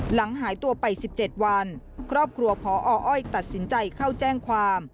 หลังหายตัวไป๑๗วันครอบครัวพออ้อยตัดสินใจเข้าแจ้งความ